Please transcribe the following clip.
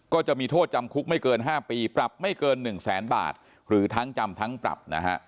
ก็จะมีโทษจำคุกไม่เกิน๕ปีปรับไม่เกิน๑แสนบาทหรือทั้งจำทั้งปรับนะฮะ